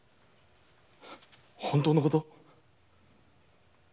本当のこと？